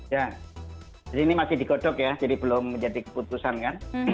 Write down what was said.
ya jadi ini masih digodok ya jadi belum menjadi keputusan kan